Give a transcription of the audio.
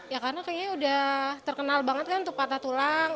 ya karena kayaknya udah terkenal banget kan untuk patah tulang